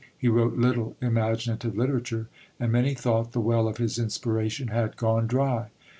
He wrote little imaginative literature, and many thought the well of his inspiration had gone dry.